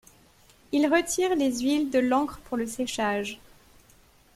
Il retire les huiles de l'encre pour le séchage.